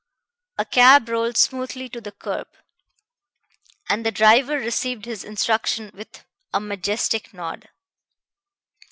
A cab rolled smoothly to the curb, and the driver received his instruction with a majestic nod.